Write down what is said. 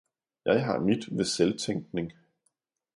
Jeg har mit ved Selvtænkning.